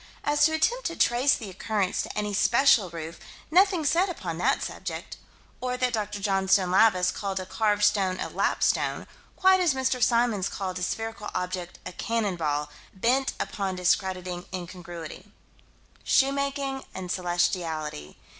As to attempt to trace the occurrence to any special roof nothing said upon that subject. Or that Dr. Johnstone Lavis called a carved stone a "lapstone," quite as Mr. Symons called a spherical object a "cannon ball": bent upon a discrediting incongruity: Shoemaking and celestiality.